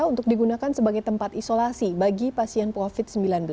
untuk digunakan sebagai tempat isolasi bagi pasien covid sembilan belas